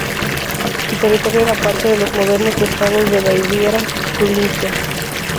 Su territorio era parte de los modernos estados de Baviera y Turingia.